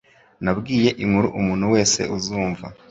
Nabwiye inkuru umuntu wese uzumva.